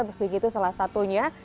begitu salah satunya